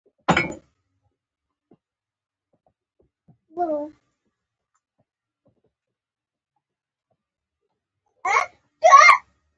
زمونږ د اصلی. خامو موادو په توګه د ستينليس فولادو سره تجهیزات